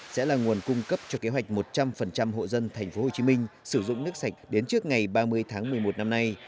sẽ là nguồn cung cấp cho kế hoạch một trăm linh hộ dân tp hcm sử dụng nước sạch đến trước ngày ba mươi tháng một mươi một năm nay